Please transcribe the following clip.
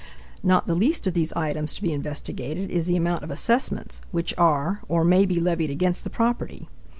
Not the least of these items to be investigated is the amount of assessments which are or may be levied against the property.